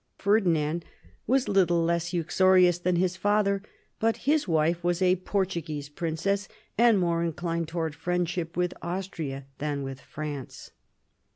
Ferdinand was little less uxorious E 50 MARIA THERESA chap, hi than his father, but his wife was a Portuguese princess, and more inclined towards friendship with Austria than with France.